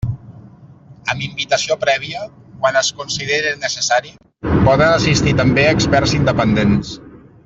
Amb invitació prèvia, quan es considere necessari, poden assistir també experts independents.